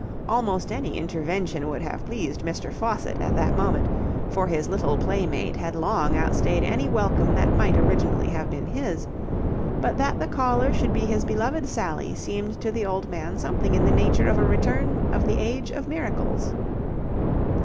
Almost any intervention would have pleased Mr. Faucitt at that moment, for his little playmate had long outstayed any welcome that might originally have been his: but that the caller should be his beloved Sally seemed to the old man something in the nature of a return of the age of miracles.